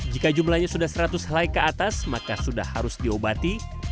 jika jumlahnya sudah seratus helai ke atas maka sudah harus diobati